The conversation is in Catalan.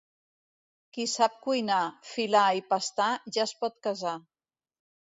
Qui sap cuinar, filar i pastar ja es pot casar.